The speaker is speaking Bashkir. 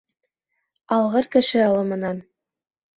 Алғыр кеше алымынан